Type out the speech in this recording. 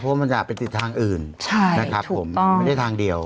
เพราะมันจะไปติดทางอื่นนะครับผมไม่ได้ทางเดียว